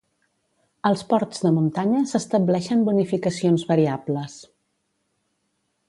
Als ports de muntanya s'estableixen bonificacions variables.